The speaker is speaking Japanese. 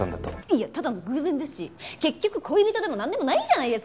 いやただの偶然ですし結局恋人でもなんでもないじゃないですか！